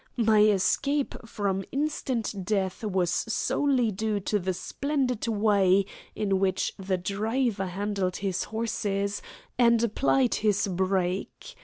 My escape from instant death was solely due to the splendid way in which the driver handled his horses and applied his brake.